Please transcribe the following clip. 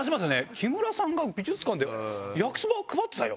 木村さんが美術館で焼きそば配ってたよ。